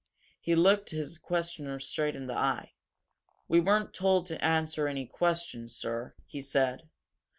He looked his questioner straight in the eye. "We weren't told to answer any questions, sir," he said.